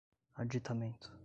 aditamento